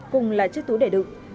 cùng là chiếc túi để đựng